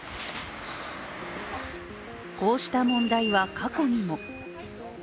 こうした問題は過去にも。